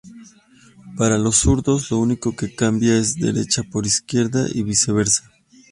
Para los zurdos lo único que cambia es derecha por izquierda y viceversa.